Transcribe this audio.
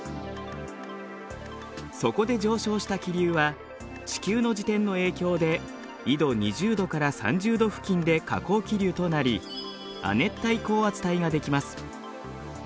そこで上昇した気流は地球の自転の影響で緯度２０度から３０度付近で下降気流となり亜熱帯高圧帯が出来ます。